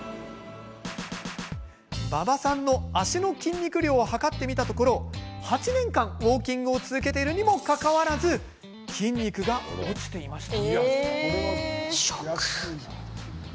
馬場さんの足の筋肉量を量ってみたところ８年間、ウォーキングを続けているのにもかかわらず筋肉が落ちていました。